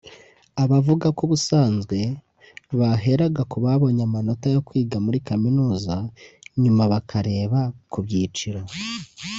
Abavuga ko ubusanzwe baheraga ku babonye amanota yo kwiga muri kaminuza nyuma bakarebera ku byiciro